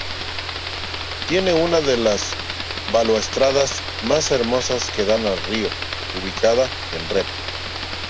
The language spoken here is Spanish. Tiene una de las balaustradas más hermosas que dan al río, ubicada en Rep.